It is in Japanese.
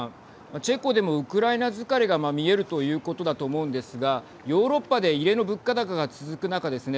チェコでもウクライナ疲れが見えるということだと思うんですがヨーロッパで異例の物価高が続く中ですね